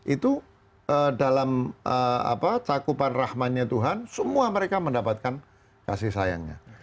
itu dalam cakupan rahmannya tuhan semua mereka mendapatkan kasih sayangnya